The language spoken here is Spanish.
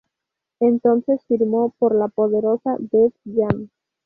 Entonces firmó por la poderosa Def Jam.